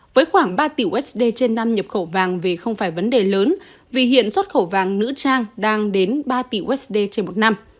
với khoảng ba tỷ usd trên năm nhập khẩu vàng về không phải vấn đề lớn vì hiện xuất khẩu vàng nữ trang đang đến ba tỷ usd trên một năm